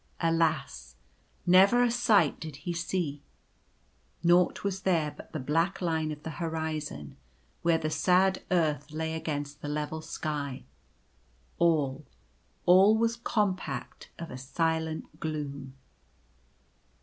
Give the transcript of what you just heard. Alas ! never a sight did he see. Nought was there but the black line of the horizon, where the sad earth lay against the level sky. All, all was compact of a silent gloom.